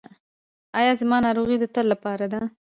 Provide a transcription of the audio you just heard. ایا زما ناروغي د تل لپاره ده؟